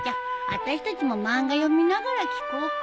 あたしたちも漫画読みながら聴こうか。